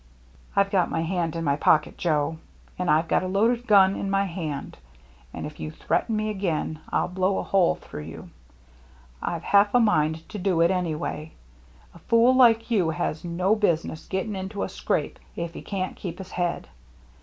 " I've got my hand in my pocket, Joe, and I've got a loaded gun in my hand, and if you threaten me again, I'll blow a hole through you. I've half a mind to do it anyway. A fool like you has no business getting into a scrape if he can't keep his head.